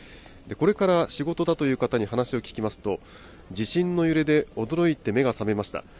これから仕事だという方に話を聞きますと、地震の揺れで驚いて目が覚めました。